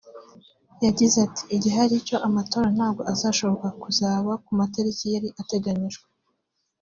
yagize ati “‘Igihari cyo amatora ntabwo azashoboka kuzaba ku matariki yari ateganyijwe